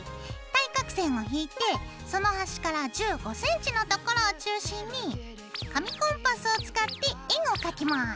対角線を引いてその端から１５ｃｍのところを中心に紙コンパスを使って円を描きます。